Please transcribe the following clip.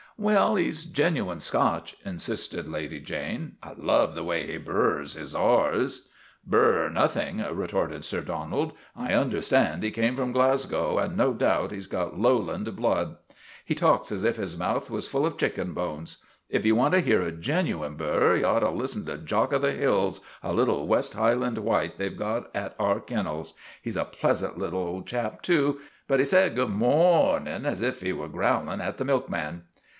" Well, he 's genuine Scotch," insisted Lady Jane. " I love the way he burs his R's." " Burs nothing !' retorted Sir Donald. " I un derstand he came from Glasgow, and no doubt he 's got Lowland blood. He talks as if his mouth was full of chicken bones. If you want to hear a genuine bur, you ought to listen to Jock o' the Hills, a little West Highland White they 've got at our kennels. He 's a pleasant little old chap too ; but he says ' Gude mor r rnin ' as if he was growling at the milkman."